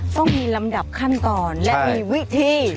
ต้องมีลำดับขั้นตอนและมีวิธี